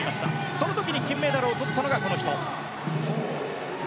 その時に金メダルをとったのがこの人。